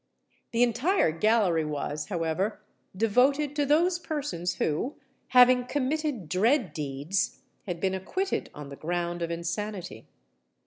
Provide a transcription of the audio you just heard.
The entire gallery was, however, devoted to those persons who, having committed dread deeds, had been acquitted on the ground of insanity.